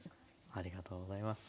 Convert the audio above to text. ありがとうございます。